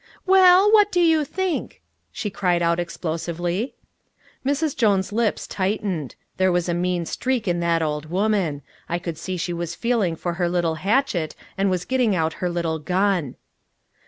"Well, what do you think?" she cried out explosively. Mrs. Jones' lips tightened. There was a mean streak in that old woman. I could see she was feeling for her little hatchet, and was getting out her little gun.